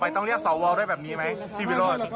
ต้องเรียกสวด้วยแบบนี้ไหมพี่วิโรธ